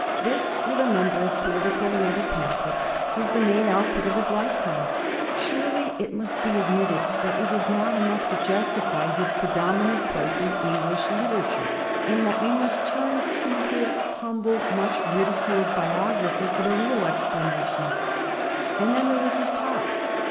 This, with a number of political and other pamphlets, was the main output of his lifetime. Surely it must be admitted that it is not enough to justify his predominant place in English literature, and that we must turn to his humble, much ridiculed biographer for the real explanation. And then there was his talk.